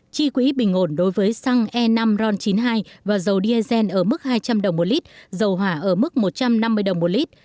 chi quỹ bình ổn đối với xăng e năm ron chín mươi hai và dầu diesel ở mức hai trăm linh đồng một lít dầu hỏa ở mức một trăm năm mươi đồng một lít